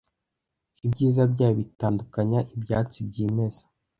Ibyiza byayo bitandukanya ibyatsi byimeza,